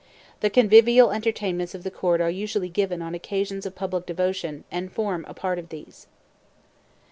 The convivial entertainments of the Court are usually given on occasions of public devotion, and form a part of these.